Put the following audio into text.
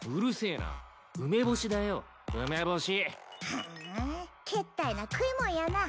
ふんけったいな食いもんやな。